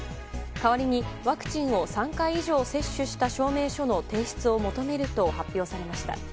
代わりにワクチンを３回以上接種した証明書の提出を求めると発表されました。